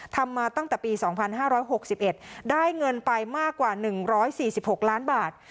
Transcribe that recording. ทำมาตั้งแต่ปีสองพันห้าร้อยหกสิบเอ็ดได้เงินไปมากกว่าหนึ่งร้อยสี่สิบหกล้านบาท